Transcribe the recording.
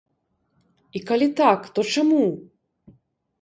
І калі так, то чаму?